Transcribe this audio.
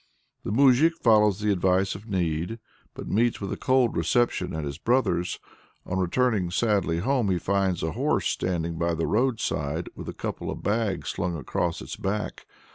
The moujik follows the advice of Need, but meets with a cold reception at his brother's. On returning sadly home he finds a horse standing by the road side, with a couple of bags slung across its back.